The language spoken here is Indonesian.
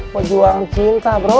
pejuang cinta bro